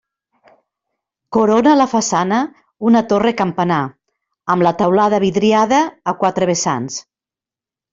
Corona la façana una torre-campanar, amb la teulada vidriada a quatre vessants.